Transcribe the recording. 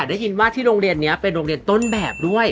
ได้ยินว่าที่โรงเรียนนี้เป็นโรงเรียนต้นแบบด้วย